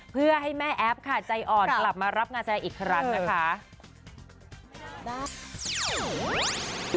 เพื่อให้แม่แอฟค่ะใจอ่อนกลับมารับงานแสดงอีกครั้งนะคะ